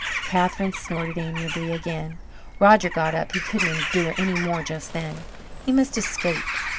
Catherine snorted amiably again. Roger got up he couldn't endure any more just then. He must escape.